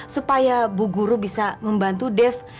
supaya bu guru bisa membantu dev